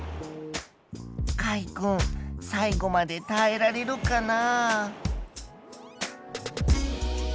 かいくん最後までたえられるかな？